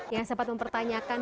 yang sempat mempertanyakan